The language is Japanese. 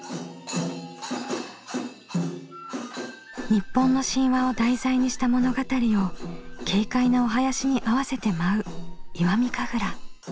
日本の神話を題材にした物語を軽快なお囃子に合わせて舞う石見神楽。